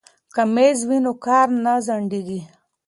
که میز وي نو کار نه ځنډیږي.